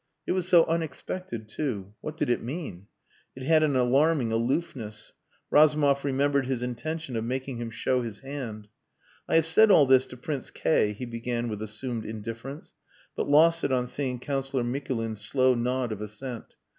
It was so unexpected, too. What did it mean? It had an alarming aloofness. Razumov remembered his intention of making him show his hand. "I have said all this to Prince K ," he began with assumed indifference, but lost it on seeing Councillor Mikulin's slow nod of assent.